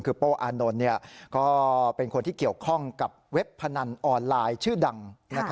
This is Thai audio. คือโป้อานนท์ก็เป็นคนที่เกี่ยวข้องกับเว็บพนันออนไลน์ชื่อดัง